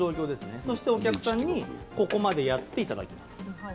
そしてお客さんにここまでやっていただきます。